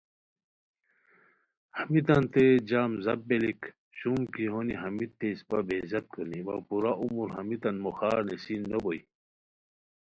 ہمیتانتین جم زپ بیلیک، شوم کی ہونی ہمیت تھے اسپہ بے عزت کونی وا پورا عمر ہمیتان موخار نیسین نوبوئے